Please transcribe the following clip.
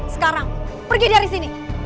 sekarang pergi dari sini